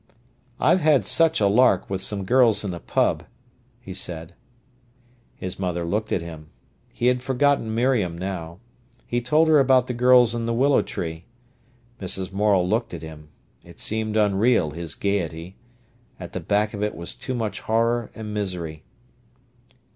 "I've had such a lark with some girls in a pub," he said. His mother looked at him. He had forgotten Miriam now. He told her about the girls in the Willow Tree. Mrs. Morel looked at him. It seemed unreal, his gaiety. At the back of it was too much horror and misery.